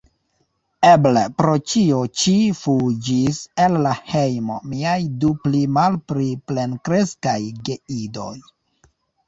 Eble pro ĉio ĉi fuĝis el la hejmo miaj du pli-malpli plenkreskaj geidoj.